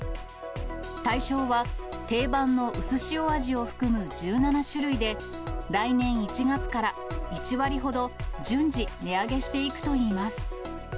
対象は定番のうすしお味を含む１７種類で、来年１月から、１割ほど順次、値上げしていくといいます。